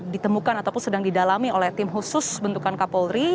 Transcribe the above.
ditemukan ataupun sedang didalami oleh tim khusus bentukan kapolri